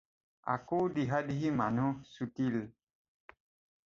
আকৌ দিহাদিহি মানুহ ছুটিল।